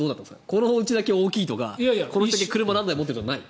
このおうちだけ大きいとかこの人だけ車を何台も持ってるとかないの？